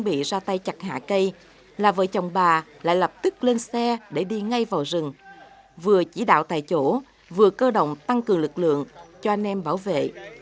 bà lại lập tức lên xe để đi ngay vào rừng vừa chỉ đạo tại chỗ vừa cơ động tăng cường lực lượng cho anh em bảo vệ